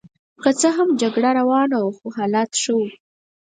که څه هم جګړه روانه وه خو حالات ښه وو.